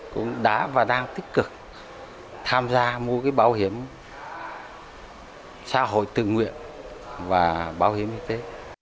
cũng đã và đang tích cực tham gia mua bảo hiểm xã hội tự nguyện và bảo hiểm y tế